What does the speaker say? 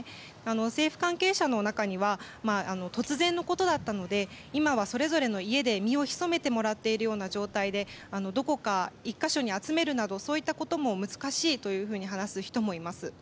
政府関係者の中には突然のことだったので今は、それぞれの家で身を潜めてもらっているような状態でどこか１か所に集めるなどそういったことも難しいと話す人もいます。